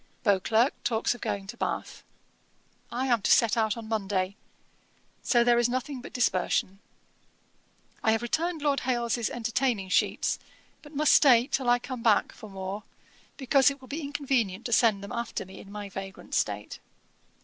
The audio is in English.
Beauclerk talks of going to Bath. I am to set out on Monday; so there is nothing but dispersion. 'I have returned Lord Hailes's entertaining sheets, but must stay till I come back for more, because it will be inconvenient to send them after me in my vagrant state.